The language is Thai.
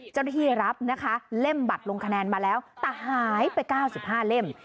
เจ้าที่รับเล่มบัตรลงคะแนนมาแล้วแต่หายไป๙๕เล่ม